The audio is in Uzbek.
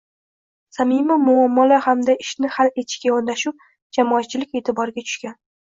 Samimiy muomala hamda ishni hal etishga yondashuv jamoatchilik eʼtiboriga tushgan.